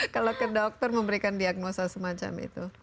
kalau ke dokter memberikan diagnosa semacam itu